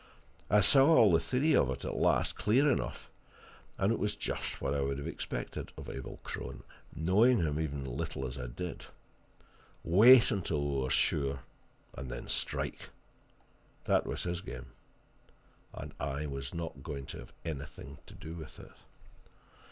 I saw all the theory of it at last, clear enough, and it was just what I would have expected of Abel Crone, knowing him even as little as I did. Wait until we were sure and then strike! That was his game. And I was not going to have anything to do with it.